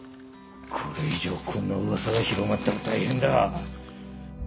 これ以上こんなうわさが広まったら大変だ。